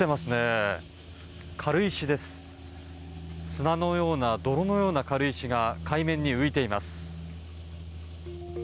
砂のような、泥のような軽石が海面に浮いています。